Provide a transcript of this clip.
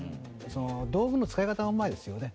道具の使い方がうまいですよね。